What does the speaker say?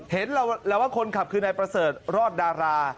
เห็นแล้วว่าคนขับคือนายประเสริฐรอดดารา